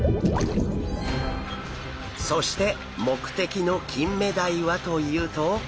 そして目的のキンメダイはというと。